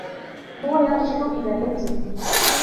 هو يرجع إلى بيته.